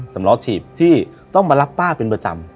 สำล้อฉีบที่ต้องมารับป้าเป็นประจำ